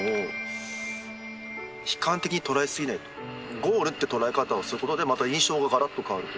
ゴールって捉え方をすることでまた印象ががらっと変わると。